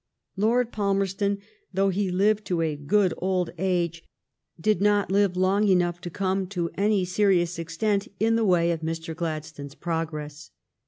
Lord Palmerston, though he lived to a good old age, did not live long enough to come to any serious extent in the way of Mr. Gladstone's progress.